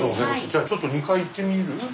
じゃちょっと２階行ってみる？